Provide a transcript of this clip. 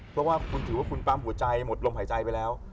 เพราะว่าคุณถือว่าคุณปั๊มหัวใจหมดลมหายใจไปแล้ว